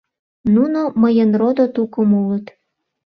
Нуно мыйын родо тукым улыт.